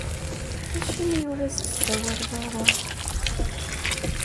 Acimi ur as-d-tsawaleḍ ara?